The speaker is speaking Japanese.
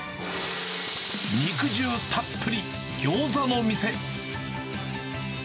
肉汁たっぷり、ギョーザの店。